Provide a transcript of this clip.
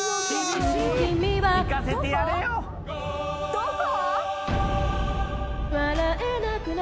どこ？